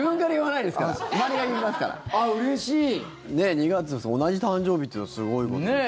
２月、同じ誕生日ってのはすごいことですよね。